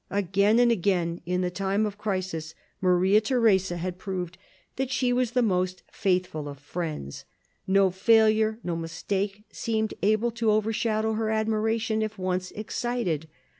Again and again in the time of crisis Maria Theresa had proved that she was the most faithful of friends. No failure, no mistake seemed able to overshadow her admiration if once excited.